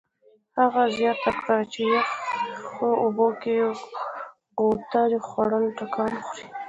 هغه زیاته کړه چې یخو اوبو کې غوطه خوړل ټکان زیاتوي.